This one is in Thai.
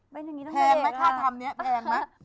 เป็นอย่างนี้ตั้งแต่เด็กแล้วแพงไหมคะทำนี้แพงไหม